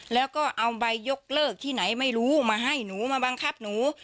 แล้วก็เอาใบยกเลิกที่ไหนไม่รู้มาให้หนูมาบังคับหนู